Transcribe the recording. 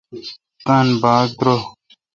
تان باگ ترو۔